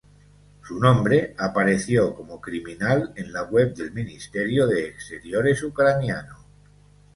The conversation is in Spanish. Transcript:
Su nombre apareció como criminal en la web del ministerio de exteriores ucraniano.